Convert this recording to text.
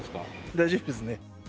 大丈夫です。